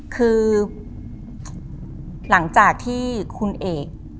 คือหลังจากที่คุณเอก